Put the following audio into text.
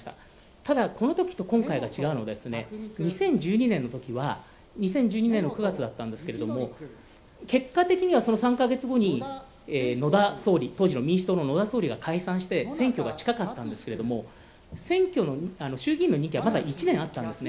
ただ、このときと今回が違うのが２０１２年のときは、２０１２年の９月だったんですけど結果的には、その３か月後に野田総理、当時の民主党の野田総理が解散して選挙が近かったんですけれども、選挙の衆議院の任期はまた１年あったんですね。